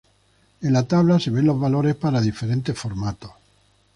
En la tabla se ven los valores para diferentes formatos.